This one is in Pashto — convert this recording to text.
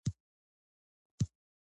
که لنډۍ وي نو هیواد نه هیریږي.